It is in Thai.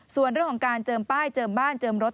ส่วนเรื่องของการเจิมป้ายเจิมบ้านเจิมรถ